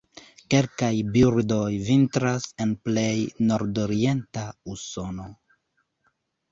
Kelkaj birdoj vintras en plej nordorienta Usono.